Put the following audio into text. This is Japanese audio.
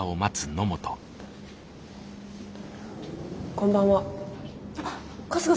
こんばんは。